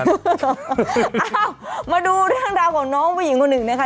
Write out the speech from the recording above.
เอ้ามาดูเรื่องราวของน้องผู้หญิงคนหนึ่งนะคะ